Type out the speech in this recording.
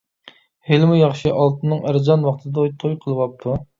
ھېلىمۇ ياخشى ئالتۇننىڭ ئەرزان ۋاقتىدا توي قىلىۋاپتۇ.